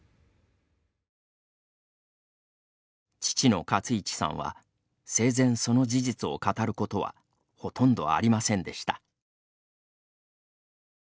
父の勝一さんは、生前その事実を語ることはほとんどありませんでした。